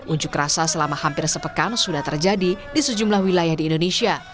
unjuk rasa selama hampir sepekan sudah terjadi di sejumlah wilayah di indonesia